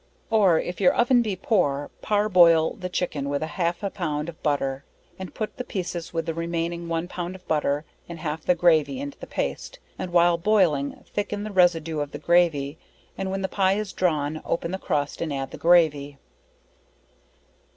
Or if your oven be poor, parboil, the chickens with half a pound of butter, and put the pieces with the remaining one pound of butter, and half the gravy into the paste, and while boiling, thicken the residue of the gravy, and when the pie is drawn, open the crust, and add the gravy.